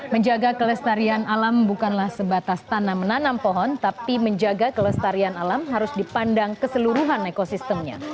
menjaga kelestarian alam bukanlah sebatas tanam menanam pohon tapi menjaga kelestarian alam harus dipandang keseluruhan ekosistemnya